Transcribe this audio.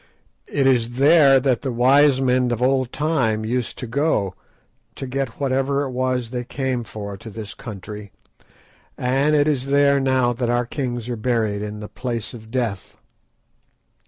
It is there that the wise men of old time used to go to get whatever it was they came for to this country, and it is there now that our kings are buried in the Place of Death."